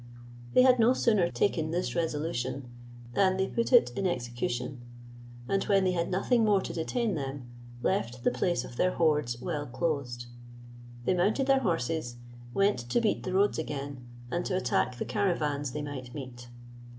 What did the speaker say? They had no sooner taken this resolution than they put it in execution, and when they had nothing more to detain them, left the place of their hoards well closed. They mounted their horses, went to beat the roads again, and to attack the caravans they might meet.